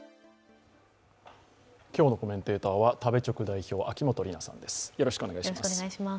今日のコメンテーターは食べチョク代表、秋元里奈さんです。